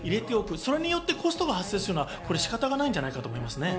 それによってコストが発生するのは仕方がないんじゃないかと思います。